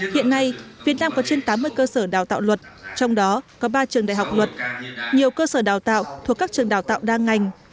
hiện nay việt nam có trên tám mươi cơ sở đào tạo luật trong đó có ba trường đại học luật nhiều cơ sở đào tạo thuộc các trường đào tạo đa ngành